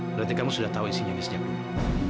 berarti kamu sudah tahu isinya ini sejak dulu